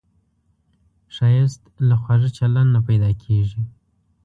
ښایست له خواږه چلند نه پیدا کېږي